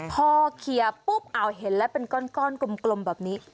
พอเคลียร์ปุ๊บเห็นแล้วเป็นก้อนกลมแบบนี้